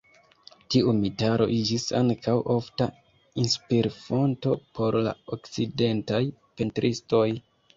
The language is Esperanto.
Tiu mitaro iĝis ankaŭ ofta inspir-fonto por la okcidentaj pentristoj.